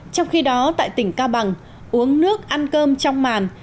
trong khi đó tại tỉnh cao bằng uống nước ăn cơm trong màn